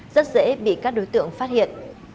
rất dễ bị các đối tượng phát hiện